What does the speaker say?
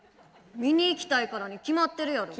見に行きたいからに決まってるやろ。